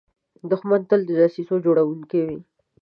دښمن تل د دسیسو جوړونکی وي